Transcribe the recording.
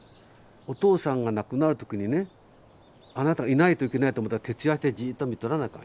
お父さんが亡くなる時にねあなたがいないといけないと思ったら徹夜してじっと見とらなあかんよ。